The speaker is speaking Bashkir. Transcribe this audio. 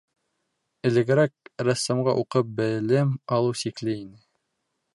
Элегерәк рәссамға уҡып, белем алыу сикле ине.